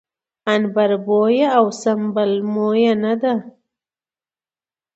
عنبربويه او سنبل مويه نه ده